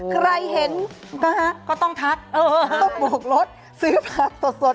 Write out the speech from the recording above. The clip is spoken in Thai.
ใครเห็นก็ต้องทักต้องบุกรถซื้อผักสดที่ประวัติศาสตร์